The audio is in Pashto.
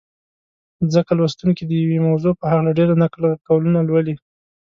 ځکه لوستونکي د یوې موضوع په هکله ډېر نقل قولونه لولي.